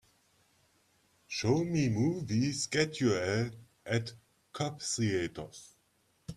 Show me movie schedule at Cobb Theatres